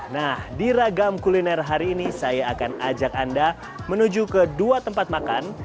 nah di ragam kuliner hari ini saya akan ajak anda menuju ke dua tempat makan